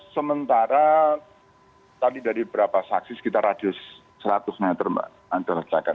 sementara tadi dari berapa saksi sekitar radius seratus meter mbak